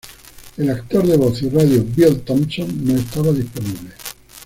El actor de voz y radio Bill Thompson, no estaba disponible.